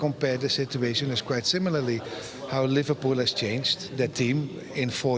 dan pada dasarnya hanya satu pemain lagi dari ketika pemain datang empat tahun lalu